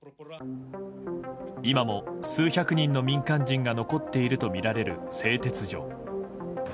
今も数百人の民間人が残っているとみられる製鉄所。